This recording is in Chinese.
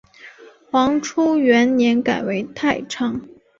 黄初元年改为太常。